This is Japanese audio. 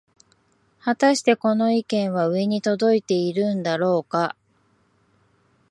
はたしてこの意見は上に届いているんだろうか